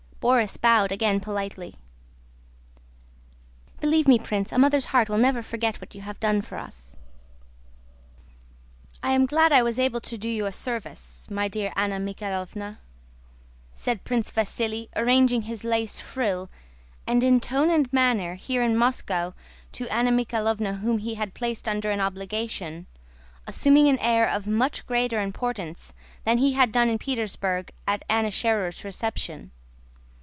Borís bowed again politely. "Believe me, Prince, a mother's heart will never forget what you have done for us." "I am glad I was able to do you a service, my dear Anna Mikháylovna," said Prince Vasíli, arranging his lace frill, and in tone and manner, here in Moscow to Anna Mikháylovna whom he had placed under an obligation, assuming an air of much greater importance than he had done in Petersburg at Anna Schérer's reception.